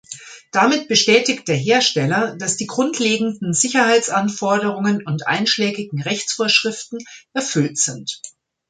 Damit bestätigt der Hersteller, dass die grundlegenden Sicherheitsanforderungen und einschlägigen Rechtsvorschriften erfüllt sind.